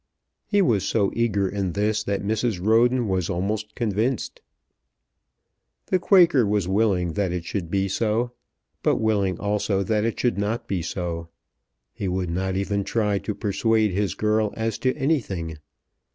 He was so eager in this that Mrs. Roden was almost convinced. The Quaker was willing that it should be so, but willing also that it should not be so. He would not even try to persuade his girl as to anything.